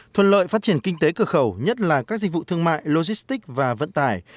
thuận lợi phát triển kinh tế cửa khẩu nhất là các dịch vụ thương mại logistic và vận tải